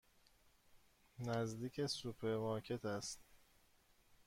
نزدیک سوپرمارکت است.